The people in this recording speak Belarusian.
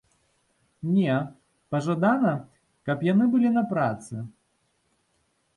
Не, пажадана, каб яны былі на працы.